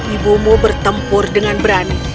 ibumu bertempur dengan berani